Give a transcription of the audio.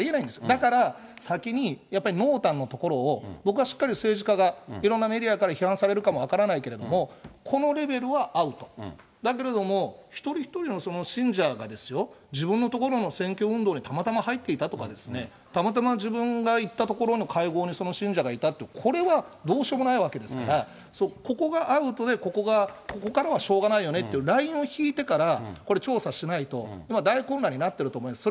だから、先にやっぱり濃淡のところを僕はしっかり政治家が、いろんなメディアから批判されるかも分からないけども、このレベルはアウト、だけれども、一人一人の信者がですよ、自分のところの選挙運動にたまたま入っていたとかですね、たまたま自分が行ったところの会合にその信者がいたって、これはどうしようもないわけですから、ここがアウトで、ここが、ここからはしょうがないよねっていうラインを引いてから、これ調査しないと、今、大混乱になっていると思います。